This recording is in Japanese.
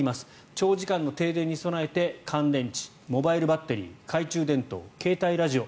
長時間の停電に備えて乾電池モバイルバッテリー懐中電灯、携帯ラジオ